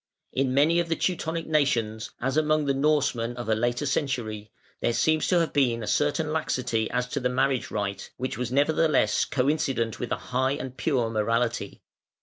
In many of the Teutonic nations, as among the Norsemen of a later century, there seems to have been a certain laxity as to the marriage rite, which was nevertheless coincident with a high and pure morality.